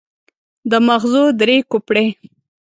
د ماغزو درې کوپړۍ.